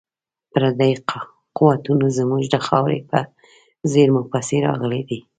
پردي قوتونه زموږ د خاورې په زیرمو پسې راغلي دي.